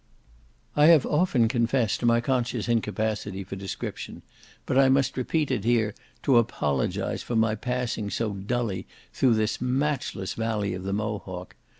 I have often confessed my conscious incapacity for description, but I must repeat it here to apologize for my passing so dully through this matchless valley of the Mohawk.